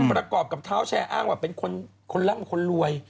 ประกอบกับเท้าแชร์อ้างว่าเป็นคนร่ำคนรวย